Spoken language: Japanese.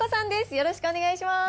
よろしくお願いします。